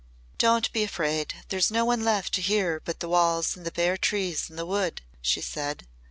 "Don't be afraid. There's no one left to hear but the walls and the bare trees in the wood," she said.